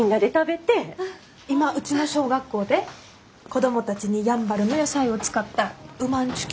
今うちの小学校で子供たちにやんばるの野菜を使ったうまんちゅ